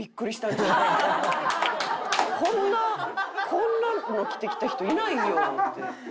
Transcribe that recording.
こんなこんなの着てきた人いないよって。